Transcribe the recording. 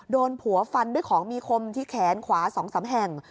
โดนผัวฟันด้วยของมีคมที่แขนขวา๒๓แห่ง